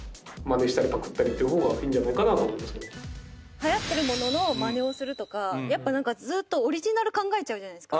はやってるもののまねをするとかやっぱ何かずっとオリジナル考えちゃうじゃないですか。